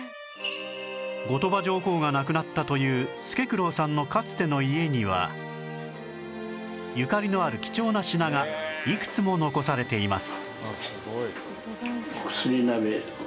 後鳥羽上皇が亡くなったという助九郎さんのかつての家にはゆかりのある貴重な品がいくつも残されています